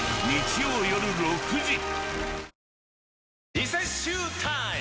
リセッシュータイム！